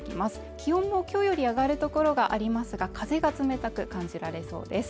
気温もきょうより上がる所がありますが風が冷たく感じられそうです